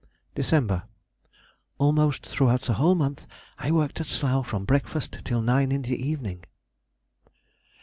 December.—Almost throughout the whole month I worked at Slough from breakfast till nine in the evening.